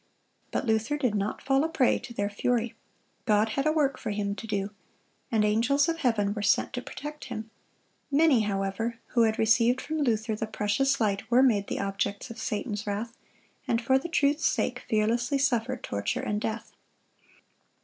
(179) But Luther did not fall a prey to their fury. God had a work for him to do, and angels of heaven were sent to protect him. Many, however, who had received from Luther the precious light, were made the objects of Satan's wrath, and for the truth's sake fearlessly suffered torture and death.